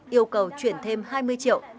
yêu cầu chuyển thêm hai mươi triệu